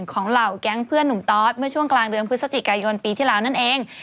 เหล่าแก๊งเพื่อนหนุ่มตอสเมื่อช่วงกลางเดือนพฤศจิกายนปีที่แล้วนั่นเอง